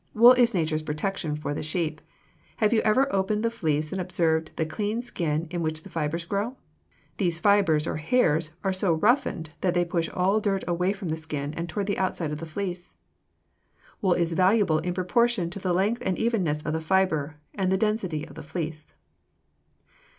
Wool is nature's protection for the sheep. Have you ever opened the fleece and observed the clean skin in which the fibers grow? These fibers, or hairs, are so roughened that they push all dirt away from the skin toward the outside of the fleece. Wool is valuable in proportion to the length and evenness of the fiber and the density of the fleece.